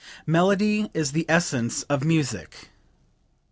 "Melody is the essence of music.